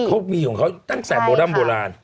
มันเป็นครบมีของเขาตั้งแสนโบราณ